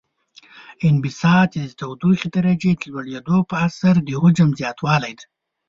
انبساط د تودوخې درجې د لوړیدو په اثر د حجم زیاتوالی دی.